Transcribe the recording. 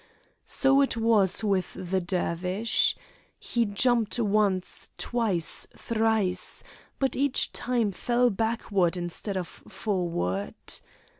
So it was with the Dervish. He jumped once, twice, thrice, but each time fell backward instead of forward.